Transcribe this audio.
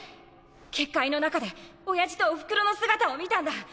結界の中で親父とおふくろの姿を見たんだ。